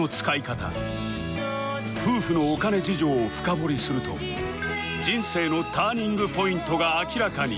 夫婦のお金事情を深掘りすると人生のターニングポイントが明らかに